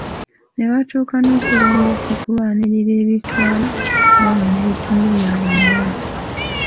Nebatuuka n'okulemwa okulwanirira ebitwala eggwanga n'ebitundu byabwe mu maaso.